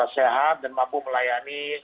sehat dan mampu melayani